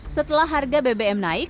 setelah harga bbm naik